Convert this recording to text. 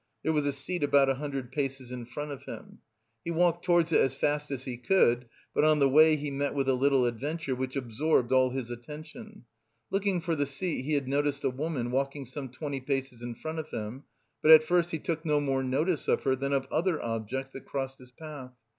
There was a seat about a hundred paces in front of him. He walked towards it as fast he could; but on the way he met with a little adventure which absorbed all his attention. Looking for the seat, he had noticed a woman walking some twenty paces in front of him, but at first he took no more notice of her than of other objects that crossed his path.